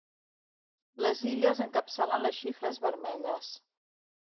Les Illes encapçalen les xifres vermelles.